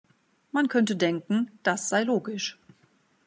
Man könnte denken, das sei logisch.